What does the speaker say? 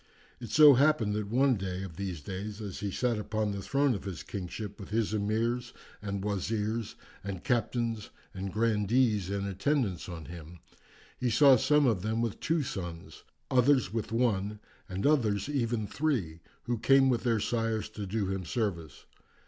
It so happened that one day of the days as he sat upon the throne of his kingship with his Emirs and Wazirs, and Captains and Grandees in attendance on him, he saw some of them with two sons, others with one, and others even three, who came with their sires to do him service.